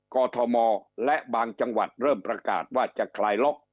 กอทมและบางจังหวัดเริ่มประกาศว่าจะคลายล็อก